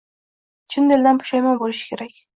Chin dildan pushaymon bo‘lishi kerak.